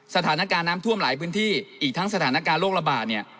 สถานการณ์น้ำท่วมหลายพื้นที่อีกทั้งสถานการณ์โรคระบาดเนี่ย